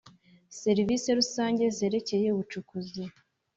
Serivisi rusange zerekeye ubucukuzi